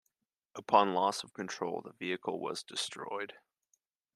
Upon loss of control, the vehicle was destroyed.